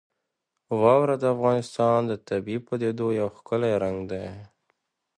واوره د افغانستان د طبیعي پدیدو یو ښکلی رنګ دی.